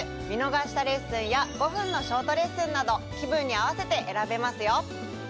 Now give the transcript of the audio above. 見逃したレッスンや５分のショートレッスンなど気分に合わせて選べますよ。